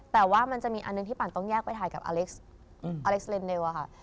แต่ว่ามันจะมีอันหนึ่งที่ปั่นต้องแยกไปถ่ายกับอเล็กซ์เรนเดลอะค่ะ